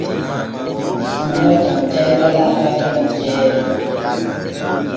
Cuumo canyayɗo laatake mo ceede.